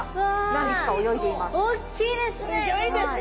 おっきいですね！